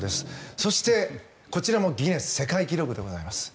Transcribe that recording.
そして、こちらもギネス世界記録でございます。